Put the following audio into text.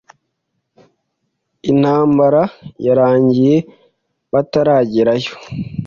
Intambara yarangiye bataragerayo.